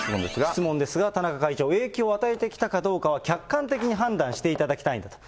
質問ですが、田中会長、影響を与えてきたかどうかは客観的に判断していただきたいんだと。